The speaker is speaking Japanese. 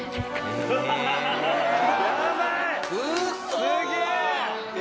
すげえ！